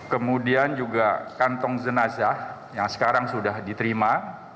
kemudian juga kantong jenazah yang sekarang sudah diterima